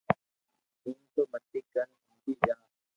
ايم تو متي ڪر ھمجي جا